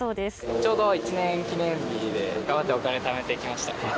ちょうど１年記念日で、頑張ってお金ためて来ました。